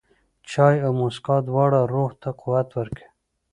چای او موسکا، دواړه روح ته قوت ورکوي.